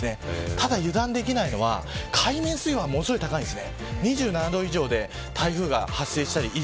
ただ油断できないのは海面水温が高いんです。